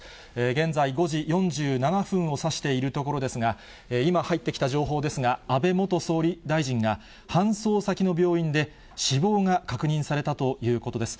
現在５時４７分をさしているところですが、今入ってきた情報ですが、安倍元総理大臣が、搬送先の病院で死亡が確認されたということです。